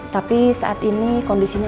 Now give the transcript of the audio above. tapi saat ini kondisinya